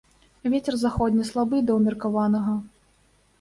Вецер заходні слабы да ўмеркаванага.